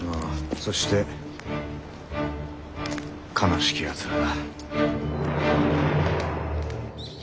そして悲しきやつらだ。